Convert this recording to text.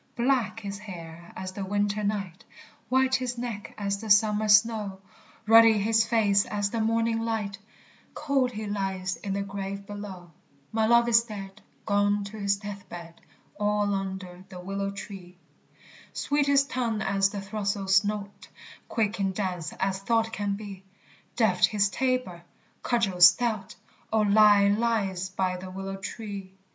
_ Black his hair as the winter night, White his neck as the summer snow, Ruddy his face as the morning light; Cold he lies in the grave below. My love is dead, etc. Sweet his tongue as the throstle's note; Quick in dance as thought can be; Deft his tabor, cudgel stout; O, lie lies by the willow tree!